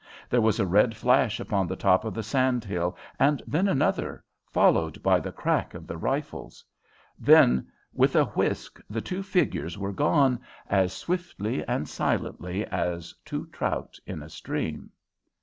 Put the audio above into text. There was a red flash upon the top of the sand hill, and then another, followed by the crack of the rifles. Then with a whisk the two figures were gone, as swiftly and silently as two trout in a stream.